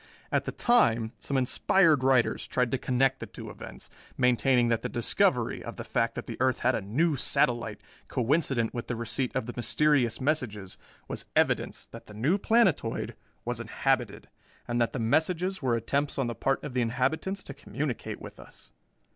At the time, some inspired writers tried to connect the two events, maintaining that the discovery of the fact that the earth had a new satellite coincident with the receipt of the mysterious messages was evidence that the new planetoid was inhabited and that the messages were attempts on the part of the inhabitants to communicate with us.